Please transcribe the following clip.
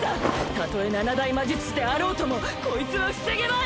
たとえ七大魔術師であろうともこいつは防げまい！